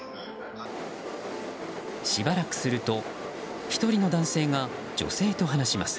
しばらくすると、１人の男性が女性と話します。